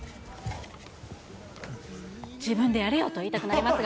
自分でやれよと言いたくなりますが。